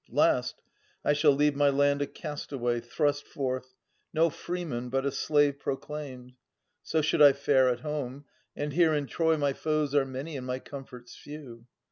Last, I shall leave my land a castaway Thrust forth, no freeman, but a slave proclaimed ; So should I fare at home. And here in Troy My foes are many and my comforts few.